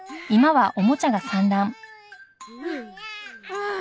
ああ